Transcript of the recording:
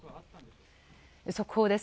速報です。